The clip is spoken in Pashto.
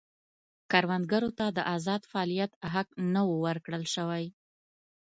کروندګرو ته د ازاد فعالیت حق نه و ورکړل شوی.